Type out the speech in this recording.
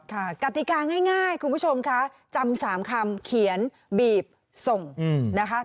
กติกาง่ายคุณผู้ชมคะจำ๓คำเขียนบีบส่งนะคะ